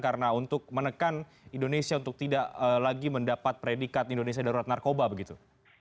karena untuk menekan indonesia untuk tidak lagi mendapat predikat indonesia darurat narkoba begitu